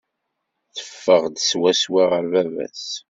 Teffeɣ-d swaswa ɣer baba-s.